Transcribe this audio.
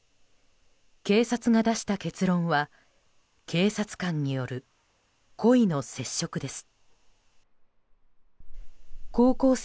警察が出した結論は警察官による故意の接触です。